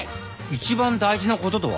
一番大事なこととは？